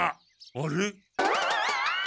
あれ？